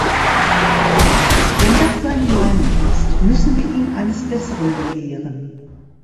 Wenn das seine Meinung ist, müssen wir ihn eines Besseren belehren.